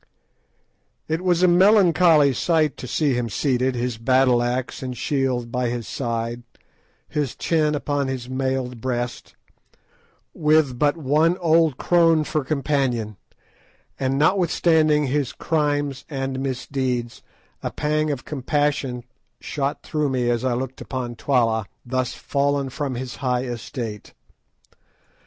It was a melancholy sight to see him seated, his battle axe and shield by his side, his chin upon his mailed breast, with but one old crone for companion, and notwithstanding his crimes and misdeeds, a pang of compassion shot through me as I looked upon Twala thus "fallen from his high estate."